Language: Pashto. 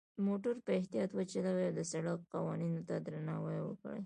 موټر په اختیاط وچلوئ، او د سرک قوانینو ته درناوی وکړئ.